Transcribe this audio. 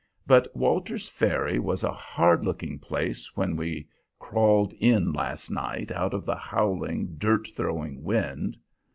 But Walter's Ferry was a hard looking place when we crawled in last night out of the howling, dirt throwing wind.